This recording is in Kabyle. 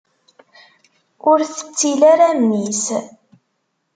Ur tettil ara mmi-s.